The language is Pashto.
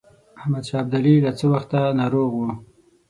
احمدشاه ابدالي له څه وخته ناروغ وو.